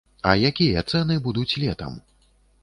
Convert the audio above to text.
А якія цэны будуць летам?!